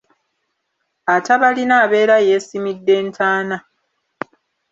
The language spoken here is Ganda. Atabalina abeera yeesimidde ntaana.